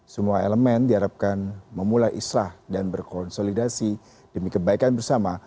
semua elemen diharapkan memulai islah dan berkonsolidasi demi kebaikan bersama